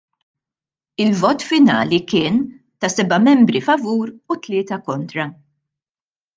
Il-vot finali kien ta' seba' membri favur u tlieta kontra.